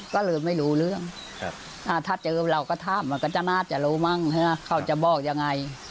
ก็เลยไม่รู้เรื่องถ้าเจอเราก็ถามมันก็จะน่าจะรู้มั้งเขาจะบอกยังไง